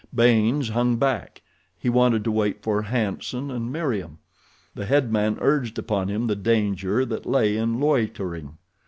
Baynes hung back. He wanted to wait for "Hanson" and Meriem. The headman urged upon him the danger that lay in loitering.